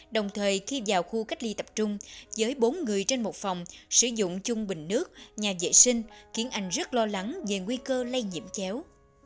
đồng thời khi vào khu cách ly tập trung với bốn người trên một phòng sử dụng chung bình nước nhà vệ sinh khiến anh rất lo lắng về nguy cơ lây nhiễm chéo